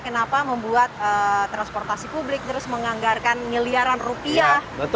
kenapa membuat transportasi publik terus menganggarkan miliaran rupiah